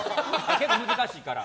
結構難しいから。